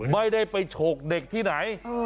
ไม่ได้ไปฉกเด็กที่ไหน